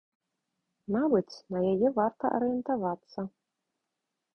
Мабыць, на яе варта арыентавацца.